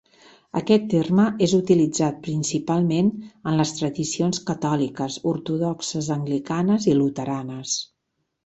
Aquest terme és utilitzat principalment en les tradicions catòliques, ortodoxes, anglicanes i luteranes.